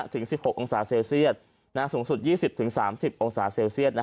ถึง๑๖องศาเซลเซียตสูงสุด๒๐๓๐องศาเซลเซียต